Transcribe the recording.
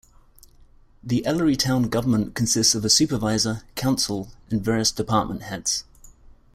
The Ellery town government consists of a supervisor, council, and various department heads.